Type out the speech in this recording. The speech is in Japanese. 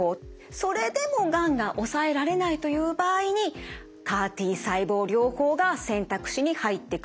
それでもがんが抑えられないという場合にＣＡＲ−Ｔ細胞療法が選択肢に入ってくるといった流れなんです。